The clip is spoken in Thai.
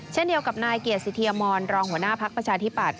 เช่นเดียวกับนายเกียรติสิเทียมรรองหัวหน้าภักดิ์ประชาธิปัตย